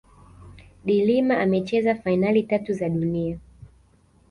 de Lima amecheza fainali tatu za dunia